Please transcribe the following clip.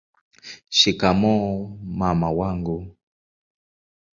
shikamoo mama wangu